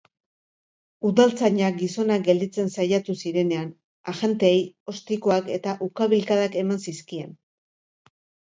Udaltzainak gizona gelditzen saiatu zirenean, agenteei ostikoak eta ukabilkadak eman zizkien.